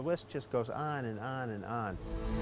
listanya terus berlanjut